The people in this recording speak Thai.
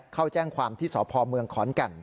เข้าแจ้งความที่สพเมืองขอนแก่น